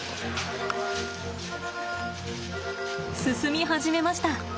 進み始めました。